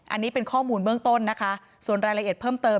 อันนี้เป็นข้อมูลเบื้องต้นนะคะส่วนรายละเอียดเพิ่มเติม